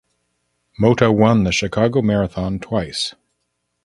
Mota won the Chicago Marathon twice.